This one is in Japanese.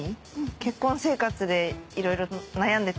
結婚生活でいろいろ悩んでて。